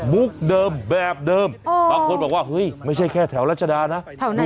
เดิมแบบเดิมบางคนบอกว่าเฮ้ยไม่ใช่แค่แถวรัชดานะ